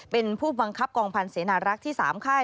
เป็นผู้บังคับกองพันธ์เสนารักษ์ที่๓ค่าย